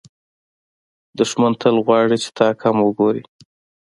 دښمن تل غواړي چې تا کم وګوري